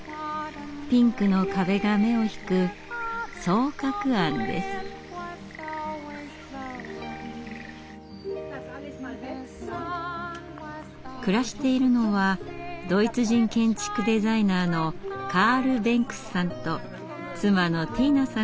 ピンクの壁が目を引く暮らしているのはドイツ人建築デザイナーのカール・ベンクスさんと妻のティーナさん